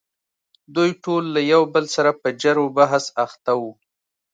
دوی ټول یو له بل سره په جر و بحث اخته وو.